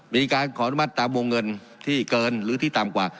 มีการขออนุมัติตามวงเงินที่เกินหรือที่ต่ำกว่า